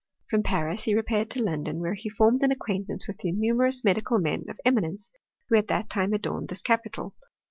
From Paris he repaired to London, where he formed an acquaintance with the numerous medical men qf eminence who at that time adorned this capital.